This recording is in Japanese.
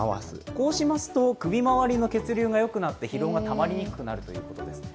こうしますと、首回りの血流がよくなって疲労がたまりにくくなるということですね。